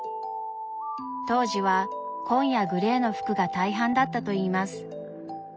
当時は紺やグレーの服が大半だったといいます。